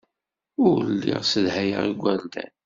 Ur lliɣ ssedhayeɣ igerdan.